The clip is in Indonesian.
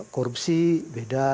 korupsi beda